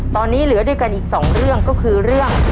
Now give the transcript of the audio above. ตอนนี้เหลือด้วยกันอีกสองเรื่องก็คือเรื่อง